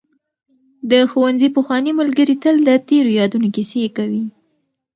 د ښوونځي پخواني ملګري تل د تېرو یادونو کیسې کوي.